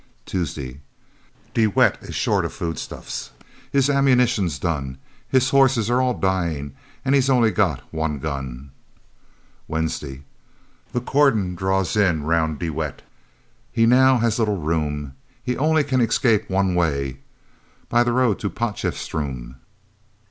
Tuesday De Wet is short of food stuffs, his ammunition's done, His horses are all dying, and he's only got one gun. Wednesday The cordon draws in round de Wet; he now has little room, He only can escape one way by road to Potchefstroom.